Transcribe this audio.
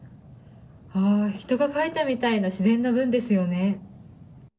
人が書いたみたいな自然な文ですよね。